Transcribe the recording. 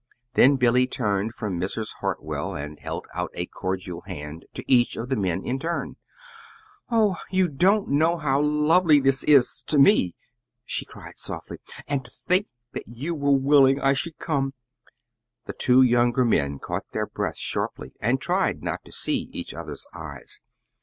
Then Billy turned from Mrs. Hartwell and held out a cordial hand to each of the men in turn. "Oh, you don't know how lovely this is to me," she cried softly. "And to think that you were willing I should come!" The two younger men caught their breath sharply, and tried not to see each other's eyes.